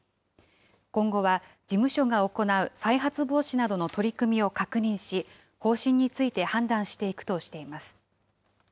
今後は事務所が行う再発防止などの取り組みを確認し、方針について判断していくとしています。